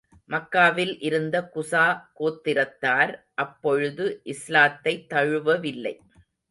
மக்காவில் இருந்த குஸா கோத்திரத்தார் அப்பொழுது இஸ்லாத்தைத் தழுவவில்லை.